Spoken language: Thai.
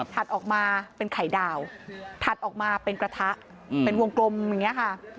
ถัดออกมาเป็นไข่ดาวถัดออกมาเป็นกระทะเป็นวงกลมอย่างนี้ค่ะ